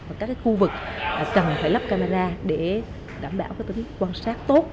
và các khu vực cần phải lắp camera để đảm bảo tính quan sát tốt